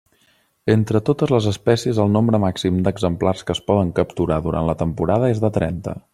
Entre totes les espècies el nombre màxim d'exemplars que es poden capturar durant la temporada és de trenta.